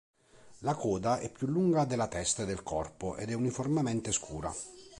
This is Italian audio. La coda è più lunga della testa e del corpo ed è uniformemente scura.